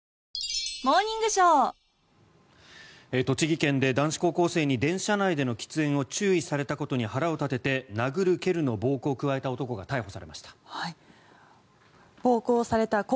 栃木県で男子高校生に電車内での喫煙を注意されたことに腹を立てて殴る蹴るの暴行を加えた男が逮捕されました。